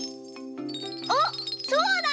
あっそうだ！